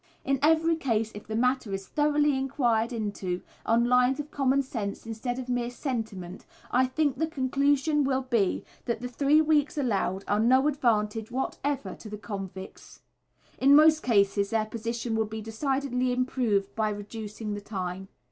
In every case if the matter is thoroughly inquired into, on lines of common sense instead of mere sentiment, I think the conclusion will be that the three weeks allowed are no advantage whatever to the convicts. In most cases their position would be decidedly improved by reducing the time.